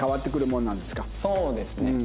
そうですね。